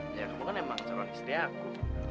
ya kamu kan emang seorang istri aku